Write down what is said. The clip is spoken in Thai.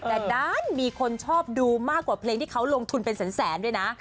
แต่ด้านมีคนชอบดูมากกว่าเพลงที่เขาลงทุนเป็นแสนด้วยนะ